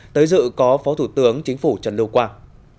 tới dự có phó thủ tướng chính phủ trần lưu quang